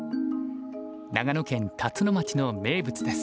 長野県辰野町の名物です。